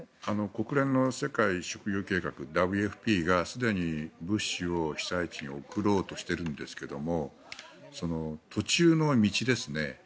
国連の世界食糧計画、ＷＦＰがすでに物資を被災地に送ろうとしているんですけど途中の道ですね。